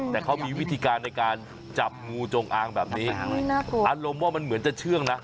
แต่เขามีวิธีการในการจับงูจงอางแบบนี้อารมณ์ว่ามันเหมือนจะเชื่องนะ